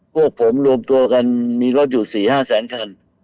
พวกผมรวมตัวกันมีรถอยู่๔๕แสนคัน